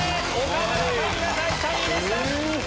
岡村さんが第３位でした！